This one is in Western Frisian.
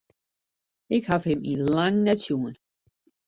Ik haw him yn lang net sjoen.